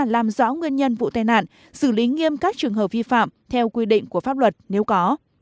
làm rõ nguyên nhân vụ tai nạn xử lý nghiêm các trường hợp vi phạm theo quy định của pháp luật nếu có